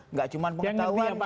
nggak cuma pengetahuan